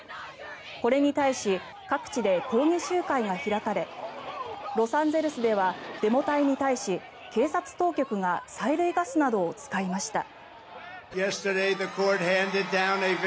これに対し各地で抗議集会が開かれロサンゼルスではデモ隊に対し警察当局が催涙ガスなどを使いました。